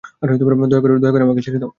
দয়া করে আমাকে ছেড়ে দাও।